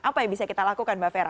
apa yang bisa kita lakukan mbak fera